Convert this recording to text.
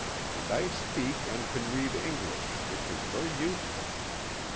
And I speak and can read English, which is verv useful."